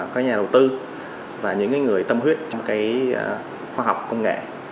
có nhà đầu tư và những người tâm huyết trong cái khoa học công nghệ